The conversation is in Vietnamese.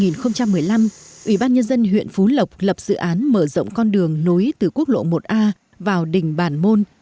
năm hai nghìn một mươi năm ủy ban nhân dân huyện phú lộc lập dự án mở rộng con đường nối từ quốc lộ một a vào đỉnh bản môn